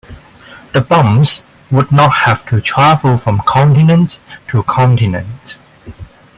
The bombs would not have to travel from continent to continent.